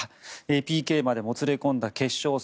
ＰＫまでもつれ込んだ決勝戦